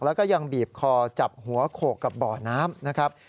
แล้วก็ยังบีบคอจับหัวโขกกับบ่อน้ำนะครับ